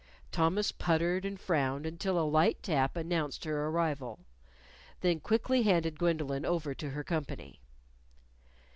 Thomas puttered and frowned until a light tap announced her arrival. Then quickly handed Gwendolyn over to her company.